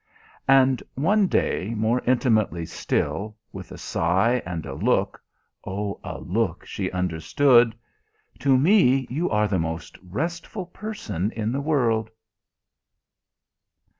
And one day, more intimately still, with a sigh and a look (Oh, a look she understood!), "To me you are the most restful person in the world...."